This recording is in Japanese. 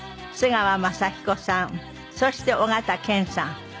津川雅彦さんそして緒形拳さん。